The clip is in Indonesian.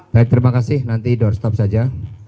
baik terima kasih nanti door stop saja